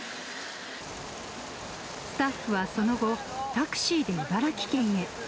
スタッフはその後、タクシーで茨城県へ。